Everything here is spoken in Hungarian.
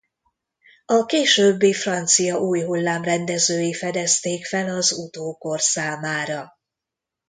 A későbbi francia új hullám rendezői fedezték fel az utókor számára.